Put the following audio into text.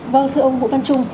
vâng thưa ông vũ văn trung